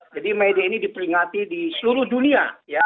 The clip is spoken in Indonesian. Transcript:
jadi may day ini diperingati di seluruh dunia ya